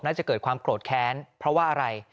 น่าจะเกิดความโกรธแค้นเพราะว่าอะไร